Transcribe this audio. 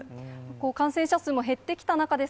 感染者数も減ってきた中です